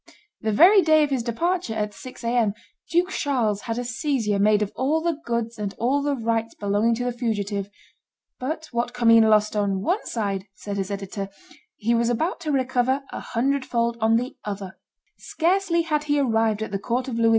The very day of his departure, at six A. M., Duke Charles had a seizure made of all the goods and all the rights belonging to the fugitive; "but what Commynes lost on one side," says his editor, "he was about to recover a hundred fold on the other; scarcely had he arrived at the court of Louis XI.